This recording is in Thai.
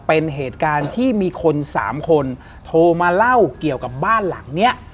เป็นเหตุการณ์ที่มีคนสามคนโทรมาเล่าเกี่ยวกับบ้านหลังเนี้ย